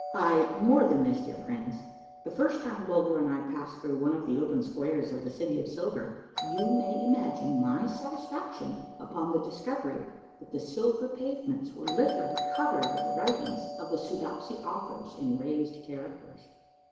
Ay, more than this, dear friends, the first time Bulger and I passed through one of the open squares of the City of Silver, you may imagine my satisfaction upon the discovery that the silver pavements were literally covered with the writings of the Soodopsy authors in raised characters.